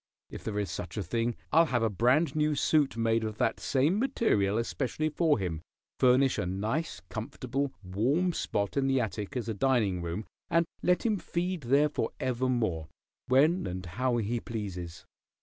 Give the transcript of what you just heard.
If there is such a thing I'll have a brand new suit made of that same material especially for him, furnish a nice comfortable, warm spot in the attic as a dining room, and let him feed there forevermore, when and how he pleases.